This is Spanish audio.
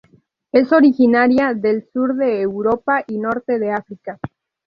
Es originaria del Sur de Europa y Norte de África.